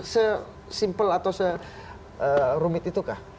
sesimpel atau serumit itu kah